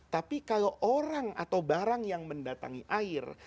tapi kalau orang atau barang yang mendatangi air